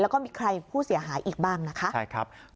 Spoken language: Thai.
แล้วก็มีใครผู้เสียหายอีกบ้างนะคะ